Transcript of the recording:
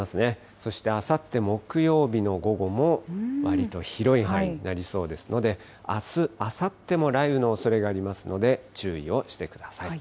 そしてあさって木曜日の午後も、わりと広い範囲になりそうですので、あす、あさっても、雷雨のおそれがありますので注意をしてください。